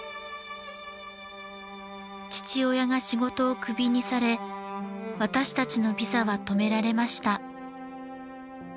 父親が仕事をクビにされ私たちのビザは止められました。